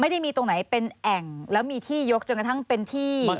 ไม่ได้มีตรงไหนเป็นแอ่งแล้วมีที่ยกจนกระทั่งเป็นที่